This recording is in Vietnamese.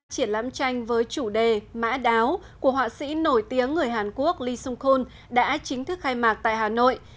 triển lãm tranh với chủ đề mã đáo của họa sĩ nổi tiếng người hàn quốc lee sung kun đã chính thức khai mạc tại hà nội